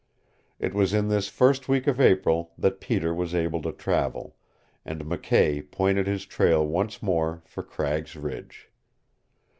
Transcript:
It was in this first week of April that Peter was able to travel, and McKay pointed his trail once more for Cragg's Ridge.